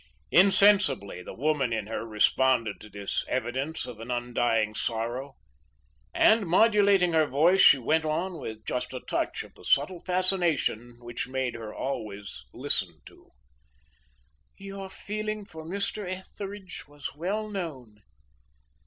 Insensibly, the woman in her responded to this evidence of an undying sorrow, and modulating her voice, she went on, with just a touch of the subtle fascination which made her always listened to: "Your feeling for Mr. Etheridge was well known.